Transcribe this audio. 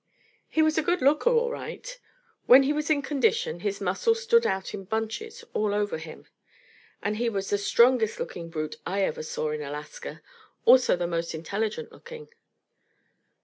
He was a good looker all right. When he was in condition his muscles stood out in bunches all over him. And he was the strongest looking brute I ever saw in Alaska, also the most intelligent looking.